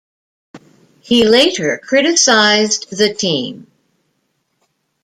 He later criticised the team.